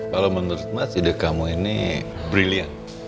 kalau menurut mas ide kamu ini brilliant